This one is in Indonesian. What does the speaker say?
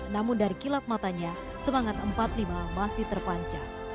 namun dari kilat matanya semangat empat puluh lima masih terpancar